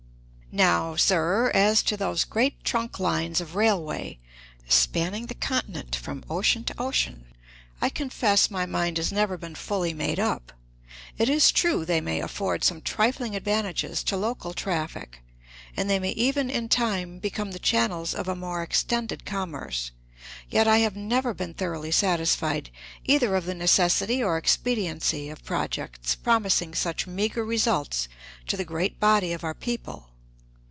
Now, sir, as to those great trunk lines of railway, spanning the continent from ocean to ocean, I confess my mind has never been fully made up. It is true they may afford some trifling advantages to local traffic, and they may even in time become the channels of a more extended commerce. Yet I have never been thoroughly satisfied either of the necessity or expediency of projects promising such meagre results to the great body of our people.